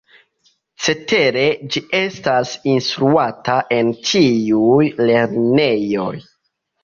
Cetere, ĝi estas instruata en ĉiuj lernejoj.